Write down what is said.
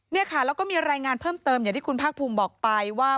เนี่ยค่ะแล้วก็มีรายงานเพิ่มเติมอย่างที่คุณภาคภูมิบอกไปว่า